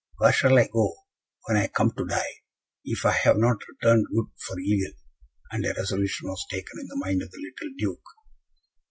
"Where shall I go, when I come to die, if I have not returned good for evil?" And a resolution was taken in the mind of the little Duke.